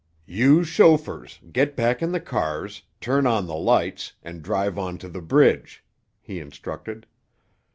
"You chauffeurs, get back in the cars, turn on the lights, and drive on to the bridge," he instructed.